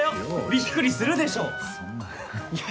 びっくりするでしょう。